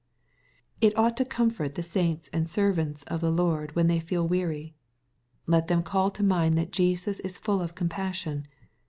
It ought to comfort the saints and servants of the Lord when they feel weary. Let them call to mind that Jesus is full of '^ compassion."